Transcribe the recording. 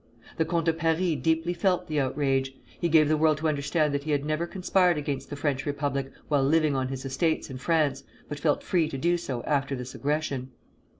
The Comte de Paris deeply felt the outrage. He gave the world to understand that he had never conspired against the French Republic while living on his estates in France, but felt free to do so after this aggression.